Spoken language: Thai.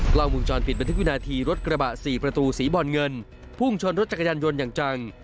กล้องวงจรปิดบันทึกวินาทีรถกระบะสี่ประตูสีบอลเงินพุ่งชนรถจักรยานยนต์อย่างจัง